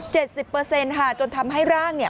สิบเปอร์เซ็นต์ค่ะจนทำให้ร่างเนี่ย